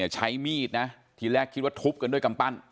ใช้มีดนะทีแรกคิดว่าทุบกันด้วยกำปั้น